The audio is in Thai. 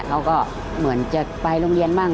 เขาก็เหมือนจะไปโรงเรียนบ้าง